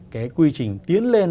cái quy trình tiến lên